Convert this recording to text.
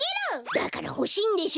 だからほしいんでしょ？